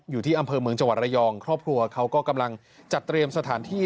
อยู่ที่อำเภอเมืองจังหวัดระยองครอบครัวเขาก็กำลังจัดเตรียมสถานที่